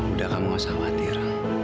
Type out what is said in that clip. udah kamu gak usah khawatir